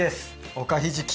おかひじき。